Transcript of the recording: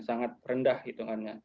sangat rendah hitungannya